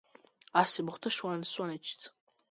მესამე სართულზე სარკმლები აღმოსავლეთითაა.